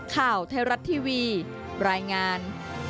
ข่าวเทราะห์ทีวีรายงาน